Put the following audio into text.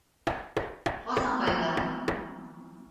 Ҡасан ҡайта?